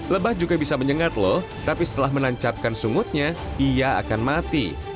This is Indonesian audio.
lebah juga bisa menyengat loh tapi setelah menancapkan sungutnya ia akan mati